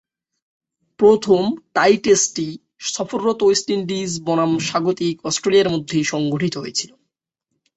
প্রথম টাই টেস্টটি সফররত ওয়েস্ট ইন্ডিজ বনাম স্বাগতিক অস্ট্রেলিয়ার মধ্যে সংঘটিত হয়েছিল।